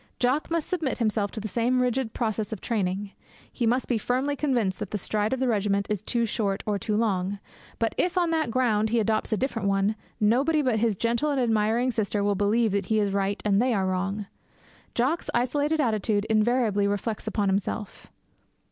Jock must submit himself to the same rigid process of training. He may be firmly convinced that the stride of the regiment is too short or too long. But if, on that ground, he adopts a different one, nobody but his gentle and admiring little sister will believe that he is right and they are wrong. Jock's isolated attitude invariably reflects upon himself.